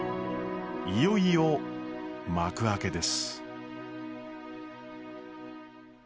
いよいよ幕開けです。